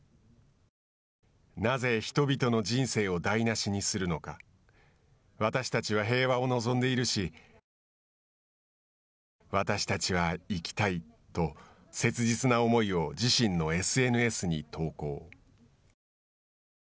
なぜ人々の人生を台なしにするのか私たちは平和を望んでいるし私たちは生きたいと切実な思いを自身のＳＮＳに投稿。